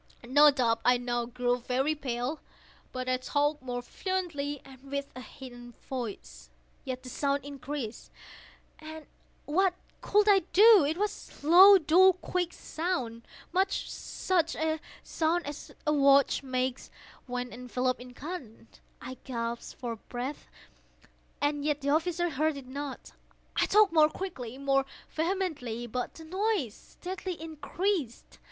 No doubt I now grew very pale;—but I talked more fluently, and with a heightened voice. Yet the sound increased—and what could I do? It was a low, dull, quick sound—much such a sound as a watch makes when enveloped in cotton. I gasped for breath—and yet the officers heard it not. I talked more quickly—more vehemently; but the noise steadily increased.